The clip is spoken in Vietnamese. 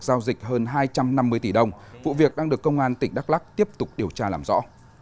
giao dịch hơn hai trăm năm mươi tỷ đồng vụ việc đang được công an tỉnh đắk lắc tiếp tục điều tra làm rõ